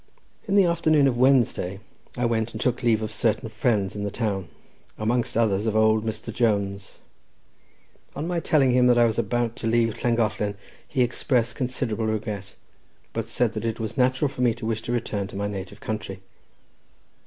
In the afternoon of Wednesday I went and took leave of certain friends in the town; amongst others of old Mr. Jones. On my telling him that I was about to leave Llangollen, he expressed considerable regret, but said that it was natural for me to wish to return to my native country.